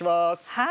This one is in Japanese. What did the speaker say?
はい。